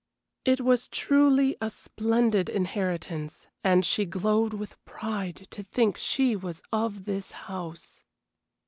It was truly a splendid inheritance, and she glowed with pride to think she was of this house.